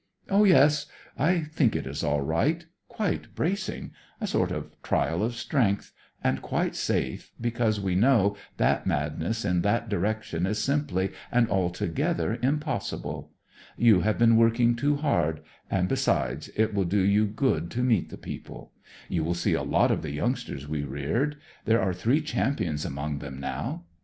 "Oh, yes; I think it is all right; quite bracing; a sort of trial of strength; and quite safe, because we know that madness in that direction is simply and altogether impossible. You have been working too hard; and besides, it will do you good to meet the people. You will see a lot of the youngsters we reared; there are three champions among them now.